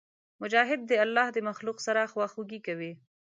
مجاهد د الله د مخلوق سره خواخوږي کوي.